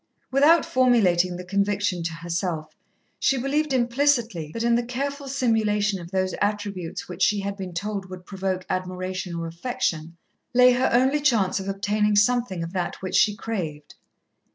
Without formulating the conviction to herself, she believed implicitly that in the careful simulation of those attributes which she had been told would provoke admiration or affection, lay her only chance of obtaining something of that which she craved.